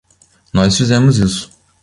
Nós fizemos isso.